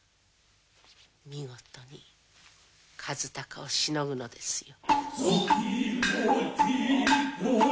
見事に和鷹をしのぐのですよ。